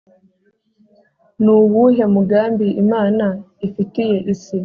nuwuhe mugambi imana ifitiye isi